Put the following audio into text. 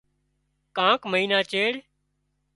ڪانڪ مئينا چيڙ